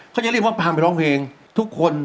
จะเรียกว่าพามไปร้องเพลงทุกคน